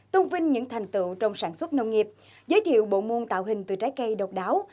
tôn vinh những thành tựu trong sản xuất nông nghiệp giới thiệu bộ nguồn tạo hình từ trái cây độc đáo